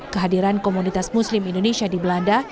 kehadiran komunitas muslim indonesia di belanda